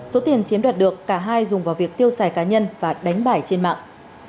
số tiền chiếm đoạt được cả hai dùng vào việc tiêu xài cá nhân và đánh bải trên mạng